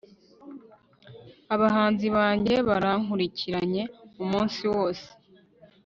abanzi banjye barankurikiranye umunsi wose